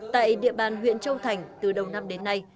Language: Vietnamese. tại địa bàn huyện châu thành từ đầu năm đến nay